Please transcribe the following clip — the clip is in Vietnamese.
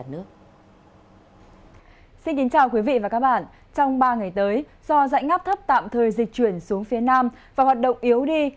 do dãy ngắp thấp tạm thời dịch chuyển xuống phía nam và hoạt động yếu đi